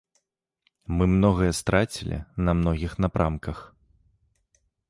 Мы многае страцілі на многіх напрамках.